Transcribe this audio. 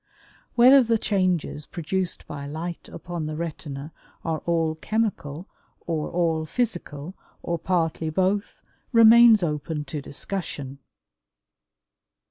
Whether the changes produced by light upon the retina are all chemical or all physical or partly both remains open to discussion.